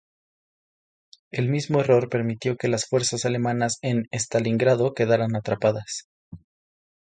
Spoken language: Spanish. El mismo error permitió que las fuerzas alemanas en Stalingrado quedaran atrapadas.